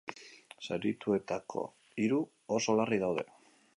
Zaurituetako hiru oso larri daude.